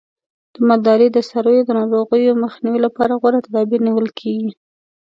د مالدارۍ د څارویو د ناروغیو مخنیوي لپاره غوره تدابیر نیول کېږي.